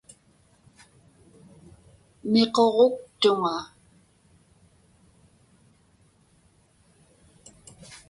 Miquġuktuŋa.